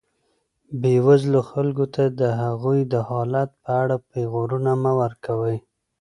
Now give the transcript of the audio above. بېوزلو خلکو ته د هغوی د حالت په اړه پېغورونه مه ورکوئ.